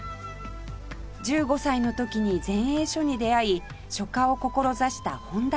１５歳の時に前衛書に出会い書家を志した本田さん